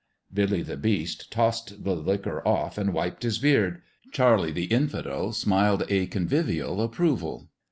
Billy the Beast tossed the liquor off and wiped his beard. Charlie the Infidel smiled a convivial approval.